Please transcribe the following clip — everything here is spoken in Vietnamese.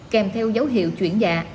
kèm theo dấu hiệu chuyển dạ